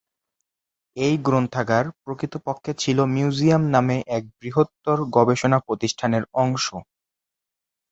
এই গ্রন্থাগার প্রকৃতপক্ষে ছিল মিউজিয়াম নামে এক বৃহত্তর গবেষণা প্রতিষ্ঠানের অংশ।